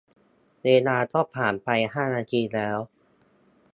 เวลาก็ผ่านไปห้านาทีแล้ว